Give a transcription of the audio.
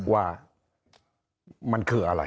ว่ามันคืออะไร